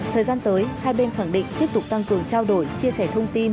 thời gian tới hai bên khẳng định tiếp tục tăng cường trao đổi chia sẻ thông tin